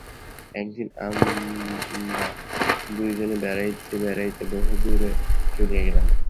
একদিন আমারা দুইজনে বেড়াইতে বেড়াইতে বহুদূরে চলিয়া গেলাম।